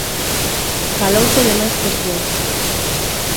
Falouse de máis cuestións.